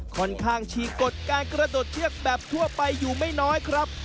ค่อนข้างฉีกกฎการกระโดดเชือกแบบทั่วไปอยู่ไม่น้อยครับ